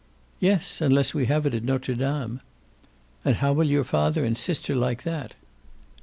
"Yes, unless we have it at Notre Dame." "And how will your father and sister like that?"